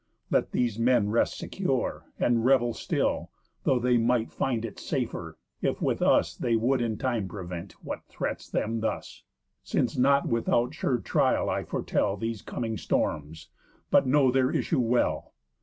Let these men rest secure, and revel still; Though they might find it safer, if with us They would in time prevent what threats them thus; Since not without sure trial I foretell These coming storms, but know their issue well.